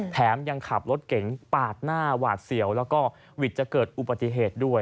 แถมยังขับรถเก๋งปาดหน้าหวาดเสียวแล้วก็วิทย์จะเกิดอุบัติเหตุด้วย